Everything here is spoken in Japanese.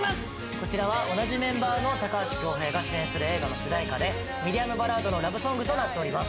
こちらは同じメンバーの高橋恭平が主演する映画の主題歌でミディアムバラードのラブソングとなっております。